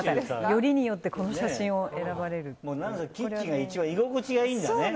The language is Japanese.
よりによってこの写真を選ばれるという。